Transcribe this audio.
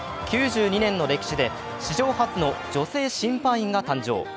９２年の歴史で史上初の女性審判員が誕生。